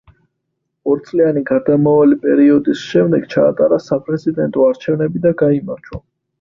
ორწლიანი გარდამავალი პერიოდის შემდეგ ჩაატარა საპრეზიდენტო არჩევნები და გაიმარჯვა.